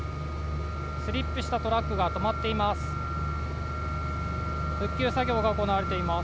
スリップした車が止まっています。